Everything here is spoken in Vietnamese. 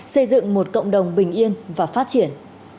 xây dựng một cộng đồng bình yên và phát triển